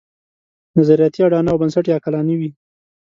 نظریاتي اډانه او بنسټ یې عقلاني وي.